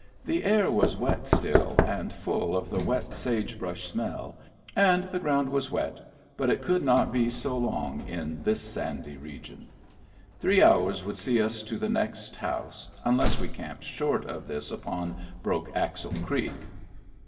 The air was wet Digitized by Google 134 MEMBERS OF THE FAMILY Still, and full of the wet sage brush smell, and the ground was wet, but it could not be so long in this sandy region. Three hours would see us to the next house, unless we camped short of this upon Broke Axle Creek.